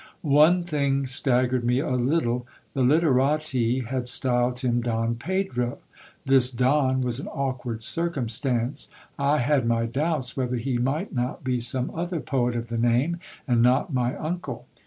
One thing staggered me a little ; the literati had styled him Don Pedro. This don was an awkward circumstance : I had my doubts whether he might not be some other poet of the name, and not my uncle.